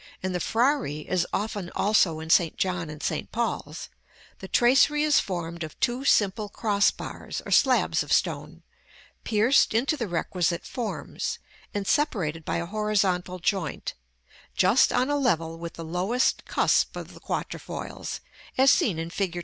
In the Frari (as often also in St. John and St. Paul's) the tracery is formed of two simple cross bars or slabs of stone, pierced into the requisite forms, and separated by a horizontal joint, just on a level with the lowest cusp of the quatrefoils, as seen in Fig.